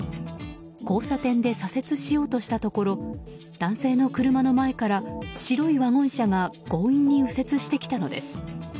交差点で左折しようとしたところ男性の車の前から白いワゴン車が強引に右折してきたのです。